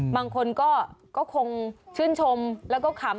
บางคนก็คงชื่นชมแล้วก็ขำ